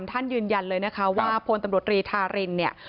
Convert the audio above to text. ยืนยันเลยนะคะว่าพลตำรวจรีธารินเนี่ย